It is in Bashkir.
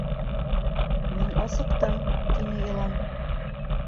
— Мин асыҡтым, — тине йылан.